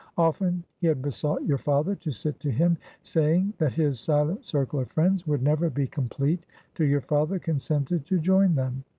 Often, he had besought your father to sit to him; saying, that his silent circle of friends would never be complete, till your father consented to join them.